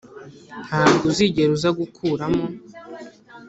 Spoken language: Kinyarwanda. ntabwo uzigera uza gukuramo.